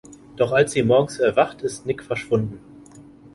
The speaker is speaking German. Doch als sie morgens erwacht, ist Nick verschwunden.